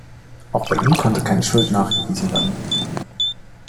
Auch bei ihm konnte keine Schuld nachgewiesen werden.